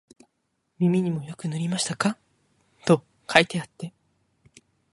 耳にもよく塗りましたか、と書いてあって、